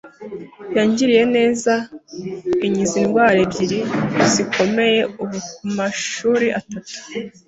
yangiriye neza inkiza indwara ebyiri zikomeye ubu ku mashuri atatu